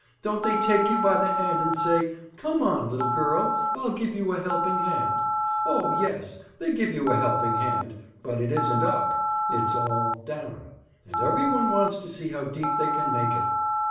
Don't they take you by the hand and say: 'Come on, little girl, I'll give you a helping hand.' Oh, yes, they give you a helping hand. But it isn't 'up.' It's all 'down.' And every one wants to see how deep they can make it.